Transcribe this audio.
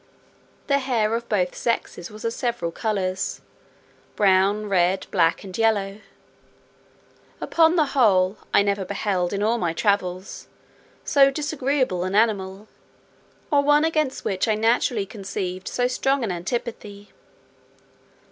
The hair of both sexes was of several colours, brown, red, black, and yellow. Upon the whole, I never beheld, in all my travels, so disagreeable an animal, or one against which I naturally conceived so strong an antipathy.